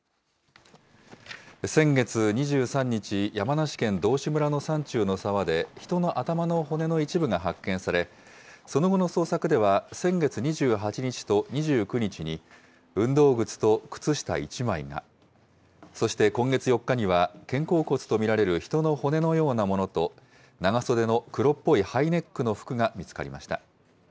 先月２３日、山梨県道志村の山中の沢で、人の頭の骨の一部が発見され、その後の捜索では、先月２８日と２９日に、運動靴と靴下１枚が、そして今月４日には、肩甲骨と見られる人の骨のようなものと、長袖の黒っぽいハイネックの服が見つかりました。